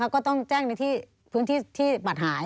ก็ต้องแจ้งในพื้นที่ที่บัตรหาย